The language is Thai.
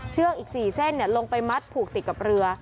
อีก๔เส้นลงไปมัดผูกติดกับเรือ